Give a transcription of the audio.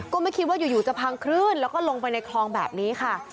ก็ไม่คิดว่าอยู่จะพังคลื่นแล้วก็ลงไปในคลองแบบนี้ค่ะ